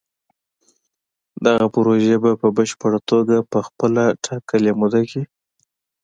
دغه پروژې به په پشپړه توګه په خپله ټاکلې موده کې